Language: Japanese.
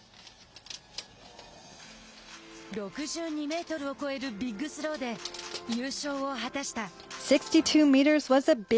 ６２メートルを越えるビッグスローで優勝を果たした。